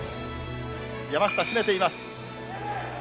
山下、絞めています。